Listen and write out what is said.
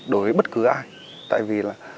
đối với bất cứ ai tại vì là